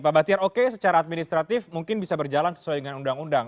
pak batiar oke secara administratif mungkin bisa berjalan sesuai dengan undang undang